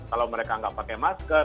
kalau mereka nggak pakai masker